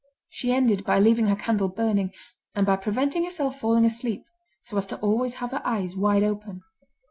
She ended by leaving her candle burning, and by preventing herself falling asleep, so as to always have her eyes wide open.